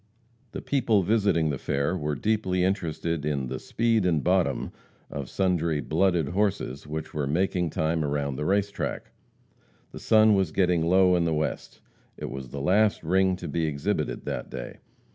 The people visiting the fair were deeply interested in "the speed and bottom" of sundry "blooded horses" which were making time around the race track. The sun was getting low in the west. It was the last "ring" to be exhibited that day.